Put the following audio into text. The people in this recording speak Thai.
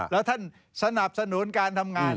แล้วท่านสนับสนุนการทำงาน